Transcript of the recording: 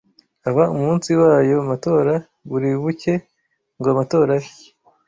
uba umunsi w’ayo matora. Buri buke ngo amatora abe